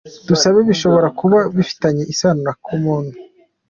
Dusabe bishobora kuba bifitanye isano na Kamono.